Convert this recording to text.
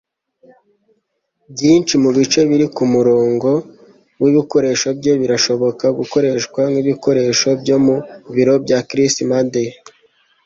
Byinshi mubice biri kumurongo wibikoresho bye birashobora gukoreshwa nkibikoresho byo mu biro bya Chris Madden.